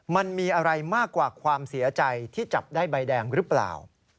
มันมีอะไรมากกว่าความเสียใจที่จับได้ใบแดงหรือเปล่า